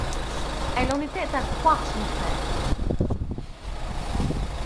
Elle en était à croire son frère.